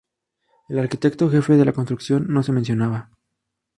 El arquitecto jefe de la construcción no se mencionaba.